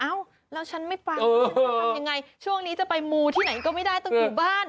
แล้วฉันไม่ฟังทำยังไงช่วงนี้จะไปมูที่ไหนก็ไม่ได้ต้องอยู่บ้าน